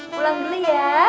pulang dulu ya